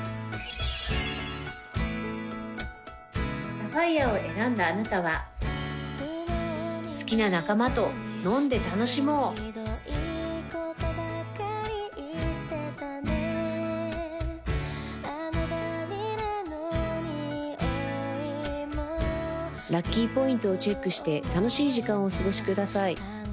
サファイヤを選んだあなたは好きな仲間と飲んで楽しもうラッキーポイントをチェックして楽しい時間をお過ごしください